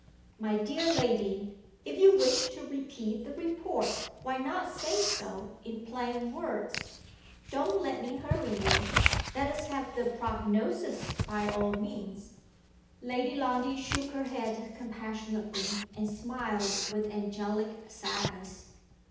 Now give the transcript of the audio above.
"My dear lady! if you wish to repeat the report, why not say so, in plain words? Don't let me hurry you. Let us have the prognosis, by all means." Lady Lundie shook her head compassionately, and smiled with angelic sadness.